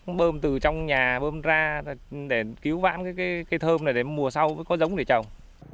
ông bơm từ trong nhà bơm ra để cứu vãn cây thơm này để mùa sau có giống để trồng